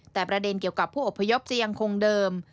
แต่ประเด็นเกี่ยวกับผู้อพยพจะยังคงเดิม